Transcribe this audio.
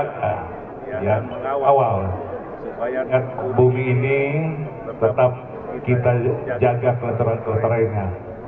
dan mengawal supaya bumi ini tetap kita jaga kelantaran kelantaranya